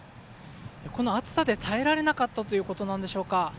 この暑さで耐えられなかったということなんでしょうか。